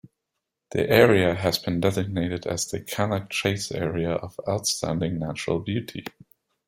The area has been designated as the Cannock Chase Area of Outstanding Natural Beauty.